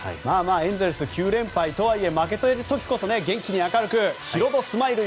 エンゼルス９連敗とはいえ負けている時こそ元気に明るくヒロドスマイル